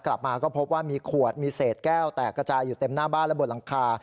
กลับมาก็พบว่ามีขวดมีเศษแก้วแตกกระจายอยู่เต็มหน้าบ้านและบนหลังคา